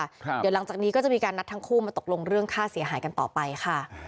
เดี๋ยวหลังจากนี้ก็จะมีการนัดทั้งคู่มาตกลงเรื่องค่าเสียหายกันต่อไปค่ะ